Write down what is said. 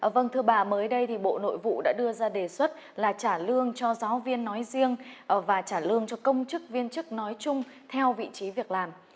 vâng thưa bà mới đây thì bộ nội vụ đã đưa ra đề xuất là trả lương cho giáo viên nói riêng và trả lương cho công chức viên chức nói chung theo vị trí việc làm